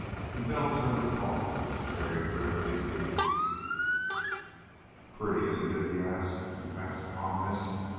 And Bell turned to Paula very grimly indeed. "Pretty, isn't it?" he asked in a vast calmness.